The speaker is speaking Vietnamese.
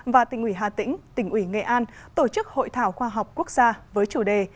và tỉnh ủy hà tĩnh tỉnh ủy nghệ an tổ chức hội thảo khoa học quốc gia với chủ đề